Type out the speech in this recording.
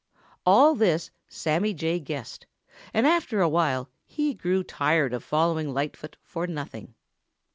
All this Sammy Jay guessed, and after a while he grew tired of following Lightfoot for nothing.